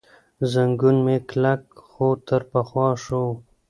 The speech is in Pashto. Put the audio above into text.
زنګون مې کلک، خو تر پخوا ښه و.